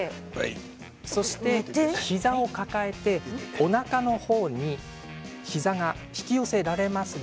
膝を抱えて、おなかの方に膝を引き寄せられますか？